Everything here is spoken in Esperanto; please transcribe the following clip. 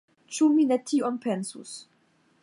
Ĉu mi ne tion pensus!